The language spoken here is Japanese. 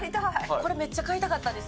これめっちゃ買いたかったんです。